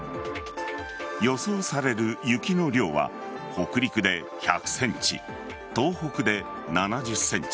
予想される雪の量は北陸で１００ｃｍ東北で７０ｃｍ